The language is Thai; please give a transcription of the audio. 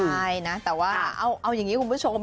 ใช่นะแต่ว่าเอาอย่างนี้คุณผู้ชม